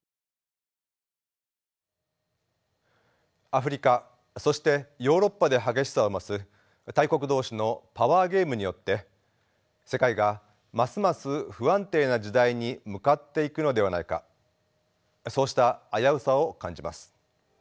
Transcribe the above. アフリカそしてヨーロッパで激しさを増す大国同士のパワーゲームによって世界がますます不安定な時代に向かっていくのではないかそうした危うさを感じます。